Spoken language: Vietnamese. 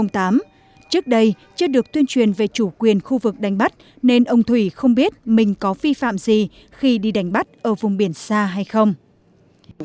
trước đây chưa được tuyên truyền về chủ quyền khu vực đánh bắt nên ông thủy không biết mình có phi phạm gì khi đi đánh bắt ở vùng biển xa hay không